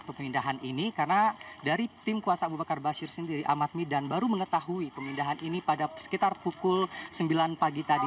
pemindahan ini karena dari tim kuasa abu bakar basir sendiri ahmad midan baru mengetahui pemindahan ini pada sekitar pukul sembilan pagi tadi